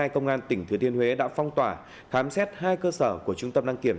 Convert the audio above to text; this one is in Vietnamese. công an tỉnh thừa thiên huế đã phong tỏa khám xét hai cơ sở của trung tâm đăng kiểm